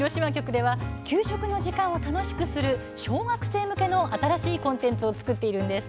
今、広島局では給食の時間を楽しくする小学生向けの新しいコンテンツを作っているんです。